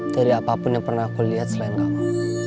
dari apapun yang pernah aku lihat selain kamu